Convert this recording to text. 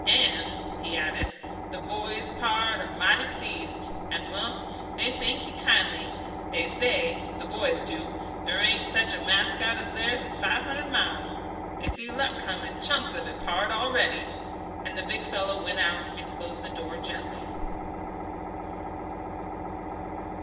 "And," he added, "the boys, pard, are mighty pleased; and, mum, they thank you kindly. They say, the boys do, there ain't such a mascot as theirs in five hundred miles; they see luck comin', chunks of it, pard, already." And the big fellow went out and closed the door gently.